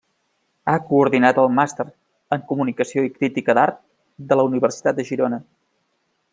Ha coordinat el Màster en Comunicació i Crítica d'Art de la Universitat de Girona.